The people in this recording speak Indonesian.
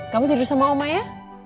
kamu tidur sama oma ya